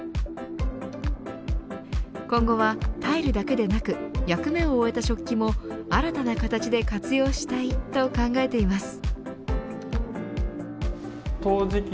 今後はタイルだけでなく役目を終えた食器も新たな形で活用したいと考えています。